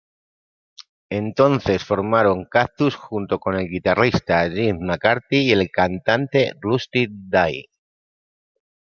Entonces formaron Cactus junto con el guitarrista Jim McCarty y el cantante Rusty Day.